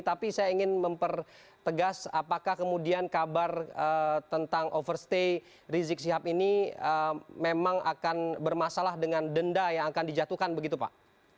tapi saya ingin mempertegas apakah kemudian kabar tentang overstay rizik sihab ini memang akan bermasalah dengan denda yang akan dijatuhkan begitu pak